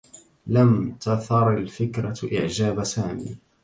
لم تثر الفكرة إعجاب سامي.